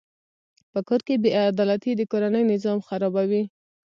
په کور کې بېعدالتي د کورنۍ نظام خرابوي.